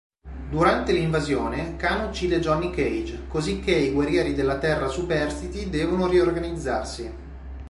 Durante l'invasione, Kahn uccide Johnny Cage, cosicché i guerrieri della Terra superstiti devono riorganizzarsi.